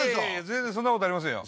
全然そんなことありませんよ